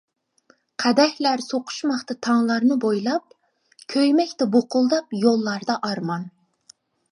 قەدەھلەر سوقۇشماقتا تاڭلارنى بويلاپ، كۆيمەكتە بۇقۇلداپ يوللاردا ئارمان.